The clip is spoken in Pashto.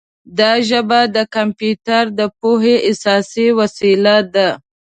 دا ژبه د کمپیوټر د پوهې اساسي وسیله ده.